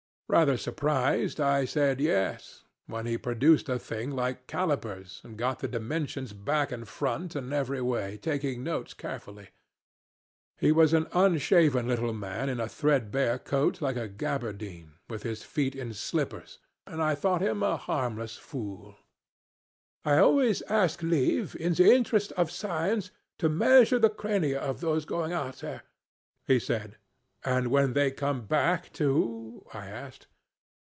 Rather surprised, I said Yes, when he produced a thing like calipers and got the dimensions back and front and every way, taking notes carefully. He was an unshaven little man in a threadbare coat like a gaberdine, with his feet in slippers, and I thought him a harmless fool. 'I always ask leave, in the interests of science, to measure the crania of those going out there,' he said. 'And when they come back, too?' I asked.